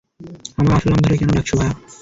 আমার আসল নাম ধরে কেন ডাকছো, ভায়া?